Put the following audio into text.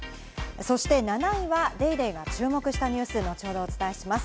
そして７位は『ＤａｙＤａｙ．』が注目したニュース、後ほどお伝えします。